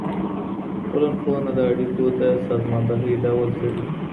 ټولنپوهنه د اړيکو د سازماندهۍ ډول څېړي.